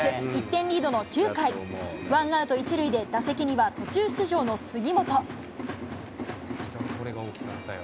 １点リードの９回、ワンアウト１塁で、打席には途中出場の杉本。